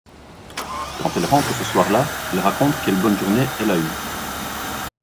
Quand elle rentre ce soir-là, elle raconte quelle bonne journée elle a eue.